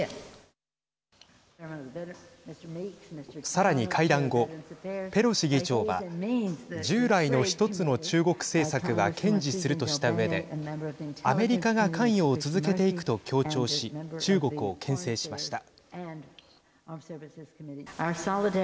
さらに会談後ペロシ議長は従来の１つの中国政策は堅持するとしたうえでアメリカが関与を続けていくと強調し中国をけん制しました。